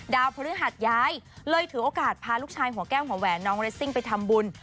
พฤหัสย้ายเลยถือโอกาสพาลูกชายหัวแก้วหัวแหวนน้องเรสซิ่งไปทำบุญ